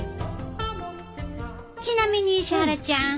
ちなみに石原ちゃん